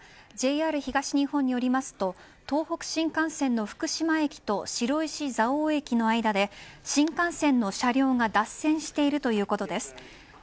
ＪＲ東日本によりますと東北新幹線の福島駅と白石蔵王駅の間で新幹線の車両が脱線しているということです。